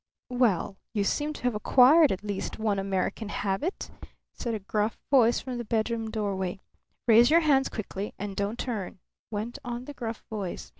"Well, you seem to have acquired at least one American habit!" said a gruff voice from the bedroom doorway. "Raise your hands quickly, and don't turn," went on the gruff voice.